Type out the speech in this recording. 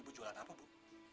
ibu jualan apa bu